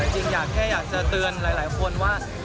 จริงอยากแค่อยากจะเตือนหลายคนว่า